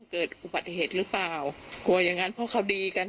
เกิดอุบัติเหตุหรือเปล่ากลัวอย่างงั้นเพราะเขาดีกัน